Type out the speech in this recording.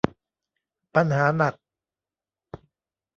ปัญหาหนัก